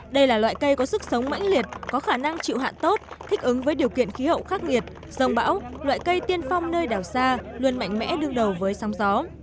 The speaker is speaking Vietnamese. đây là loại cây có sức sống mãnh liệt có khả năng chịu hạn tốt thích ứng với điều kiện khí hậu khắc nghiệt sông bão loại cây tiên phong nơi đảo xa luôn mạnh mẽ đương đầu với sóng gió